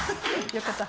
よかった。